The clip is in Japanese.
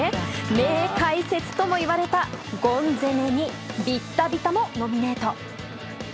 名解説ともいわれたゴン攻めにビッタビタもノミネート。